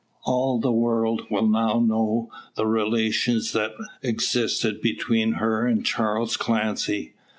All the world will now know the relations that existed between her and Charles Clancy.